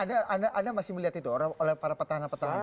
anda masih melihat itu oleh para petahana petahana